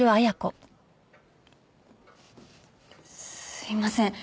すいません